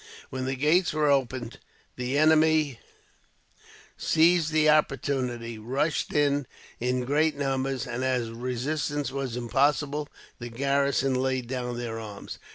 When the gates were opened the enemy, seizing the opportunity, rushed in in great numbers; and as resistance was impossible, the garrison laid down their arms.